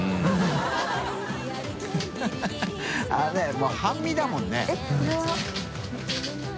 △もう半身だもんね。